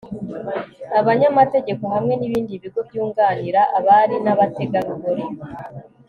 abanyamategeko hamwe n'ibindi bigo byunganira abari n'abategarugori